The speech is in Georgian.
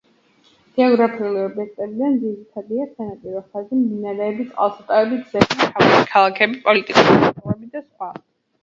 გეოგრაფიული ობიექტებიდან ძირითადია სანაპირო ხაზი, მდინარეები, წყალსატევები, გზები, მთავარი ქალაქები, პოლიტიკური საზღვრები და სხვა.